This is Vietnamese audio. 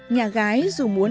nhà gái dù muốn